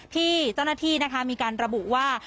ที่เจ้าหน้าที่นะคะมีการระบุว่า